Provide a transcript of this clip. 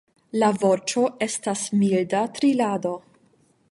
La voĉo estas milda trilado.